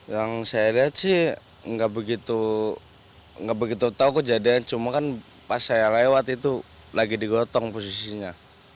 yang saya lihat sih nggak begitu tahu kejadian cuma kan pas saya lewat itu lagi digotong posisinya